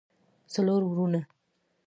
څلور وروڼه